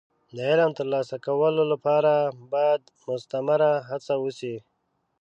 د علم د ترلاسه کولو لپاره باید مستمره هڅه وشي.